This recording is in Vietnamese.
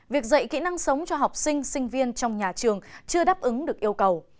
việc dạy kỹ năng sống cho học sinh sinh viên trong nhà trường chưa đáp ứng được yêu cầu